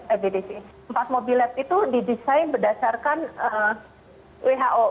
ebdc empat mobil lab itu didesain berdasarkan who